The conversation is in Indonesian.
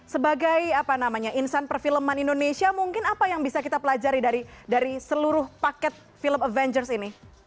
sebagai apa namanya insan perfilman indonesia mungkin apa yang bisa kita pelajari dari seluruh paket film avengers ini